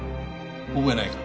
覚えないか？